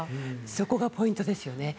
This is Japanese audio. そこがポイントですよね。